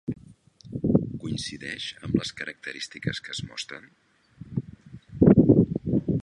Coincideix amb les característiques que es mostren?